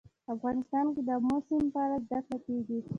افغانستان کې د آمو سیند په اړه زده کړه کېږي.